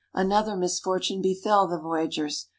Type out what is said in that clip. Another misfortune befell the voyagers.